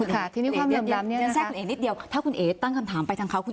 คุณเองแซ่คุณเองนิดเดียวถ้าคุณเองตั้งคำถามไปทั้งเขา